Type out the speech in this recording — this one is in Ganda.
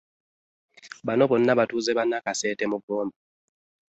Bano bonna batuuze b'e Nakaseeta mu Gomba.